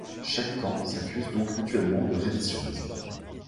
Chaque camp s'accuse donc mutuellement de révisionnisme.